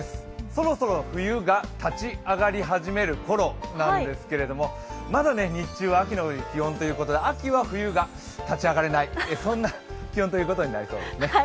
そろそろ冬が立ち上がり始める頃なんですけどもまだ日中は秋の気温ということで秋は、冬が立ち上がれないというそんな気温ということになりそうですね。